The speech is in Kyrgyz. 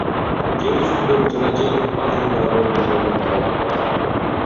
Жер үстүндөгү жана жер алдындагы метронун варианттары бар.